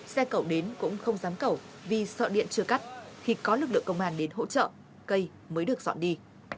xe cẩu đến cũng không dám cầu vì sợ điện chưa cắt khi có lực lượng công an đến hỗ trợ cây mới được dọn đi